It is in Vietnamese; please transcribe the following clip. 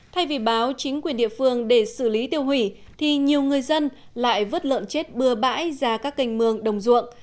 thay vì báo chính quyền địa phương để xử lý tiêu hủy thì nhiều người dân lại vứt lợn chết bừa bãi ra các cành mương đồng ruộng